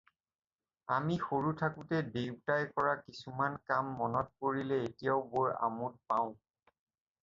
আমি সৰু থাকোতে দেউতাই কৰা কিছুমান কাম মনত পৰিলে এতিয়াও বৰ আমোদ পাওঁ।